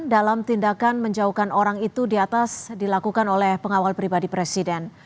dalam tindakan menjauhkan orang itu di atas dilakukan oleh pengawal pribadi presiden